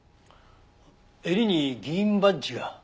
襟に議員バッジが。